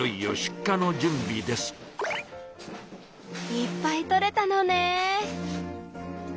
いっぱいとれたのね。